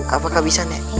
apakah bisa nek